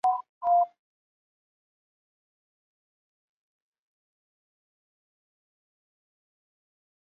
出生于呼和浩特市托克托县什拉毫村一个贫苦的秦姓农民家庭。